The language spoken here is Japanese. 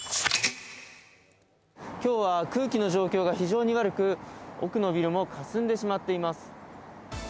今日は空気の状況が非常に悪く奥のビルもかすんでしまっています。